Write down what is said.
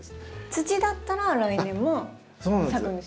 土だったら来年もそうなんですよ。